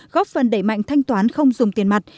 góp phần đẩy mạnh thanh toán không dùng tiền mặt